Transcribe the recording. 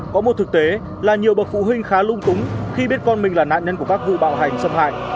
có một thực tế là nhiều bậc phụ huynh khá lung túng khi biết con mình là nạn nhân của các vụ bạo hành xâm hại